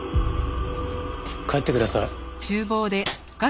帰ってください。